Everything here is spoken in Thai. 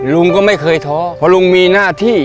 ลุงก็ไม่เคยท้อเพราะลุงมีหน้าที่